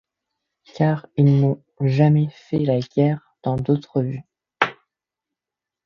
Car ils n'ont jamais fait la guerre dans d'autres vues.